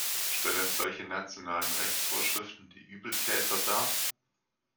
Stellen solche nationalen Rechtsvorschriften die Übeltäter dar?